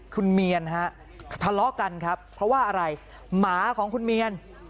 คุณเมียนฮะทะเลาะกันครับเพราะว่าอะไรหมาของคุณเมียน